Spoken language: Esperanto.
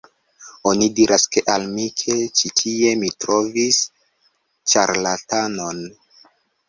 Oni diris al mi ke ĉi tie mi trovos ĉarlatanon